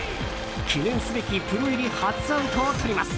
記念すべきプロ入り初アウトをとります。